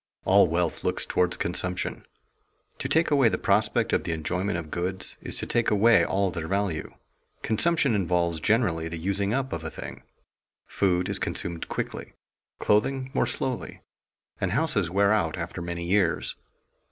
_ All wealth looks toward consumption. To take away the prospect of the enjoyment of goods is to take away all their value. Consumption involves generally the using up of a thing. Food is consumed quickly, clothing more slowly, and houses wear out after many years.